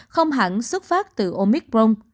không hẳn xuất phát từ omicron